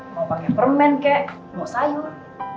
mau pakai permen kek mau sayur